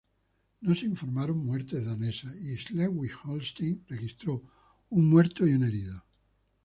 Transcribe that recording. No se informaron muertes danesas, y Schleswig-Holstein registró un muerto y un herido.